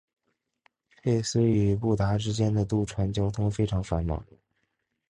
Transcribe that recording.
佩斯与布达之间的渡船交通非常繁忙。